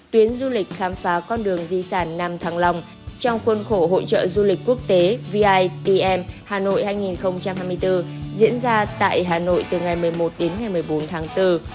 tuyến du lịch khám phá con đường di sản nam thăng long trong khuôn khổ hội trợ du lịch quốc tế vim hà nội hai nghìn hai mươi bốn diễn ra tại hà nội từ ngày một mươi một đến ngày một mươi bốn tháng bốn